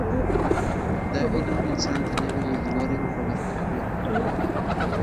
دا علم انسان ته نوي لیدلوري ور په برخه کوي.